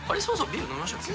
ビール飲みましたっけ？